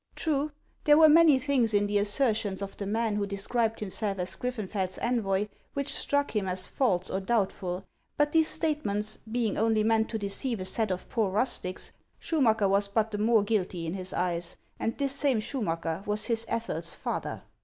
True, there were many things in the assertions of the man who described himself as GriffenfekTs envoy which struck him as false or doubtful ; but these state ments, being only meant to deceive a set of poor rustics, Schumacker was but the more guilty in his eyes ; and this same Schumacker was his Ethel's father!